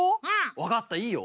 わかったいいよ。